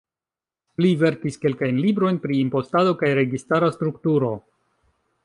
Li verkis kelkajn librojn pri impostado kaj registara strukturo.